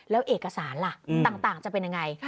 แล้วเอกสารล่ะต่างจะเป็นยังไง